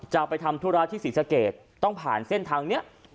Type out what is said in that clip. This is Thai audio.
จะไปทำธุระที่ศิษฐกรรมต้องผ่านเส้นทางเนี่ย